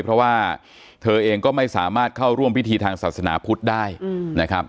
เพราะว่าเธอเองก็ไม่สามารถเข้าร่วมพิธีทางศาสนาพุทธได้นะครับ